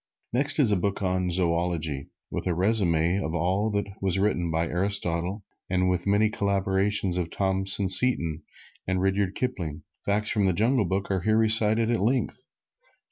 Next is a book on Zoology, with a resume of all that was written by Aristotle, and with many corroborations of Thompson Seton and Rudyard Kipling. Facts from the "Jungle Book" are here recited at length.